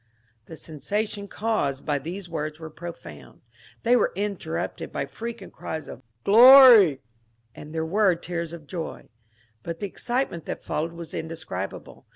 The sensation caused by these words was profound. They were interrupted by frequent cries of Glory I " and there were tears of joy. But the excitement that followed was in describable.